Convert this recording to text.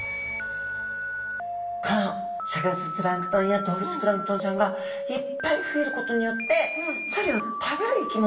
この植物プランクトンや動物プランクトンちゃんがいっぱい増えることによってそれを食べる生き物。